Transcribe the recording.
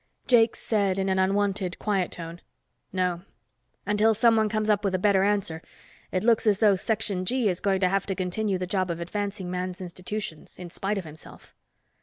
Jakes said, in an unwonted quiet tone, "No, until someone comes up with a better answer it looks as though Section G is going to have to continue the job of advancing man's institutions, in spite of himself."